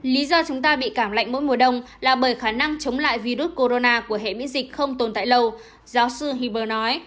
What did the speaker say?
lý do chúng ta bị cảm lạnh mỗi mùa đông là bởi khả năng chống lại virus corona của hệ miễn dịch không tồn tại lâu giáo sư hiber nói